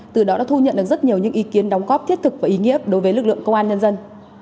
từ đó đã thu nhận được rất nhiều những ý kiến đóng góp thiết thực và ý nghĩa đối với lực lượng công an nhân dân